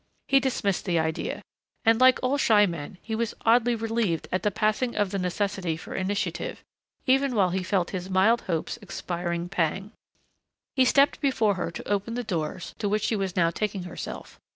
He dismissed the idea. And like all shy men he was oddly relieved at the passing of the necessity for initiative, even while he felt his mild hope's expiring pang. He stepped before her to open the doors to which she was now taking herself.